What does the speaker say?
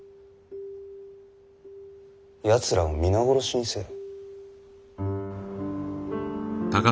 やつらを皆殺しにせよ。